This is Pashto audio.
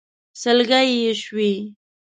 سلګۍ يې شوې.